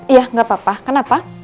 iya nggak apa apa kenapa